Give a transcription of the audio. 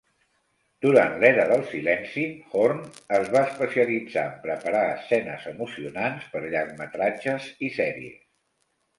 Durant l'era del silenci, Horne es va especialitzar en preparar escenes emocionants per llargmetratges i sèries.